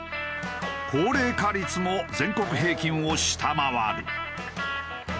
高齢化率も全国平均を下回る。